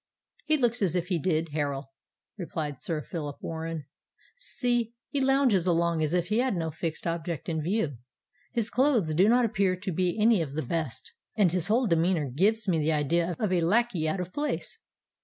"He looks as if he did, Harral," replied Sir Phillip Warren. "See—he lounges along as if he had no fixed object in view—his clothes do not appear to be any of the best—and his whole demeanour gives me the idea of a lacquey out of place."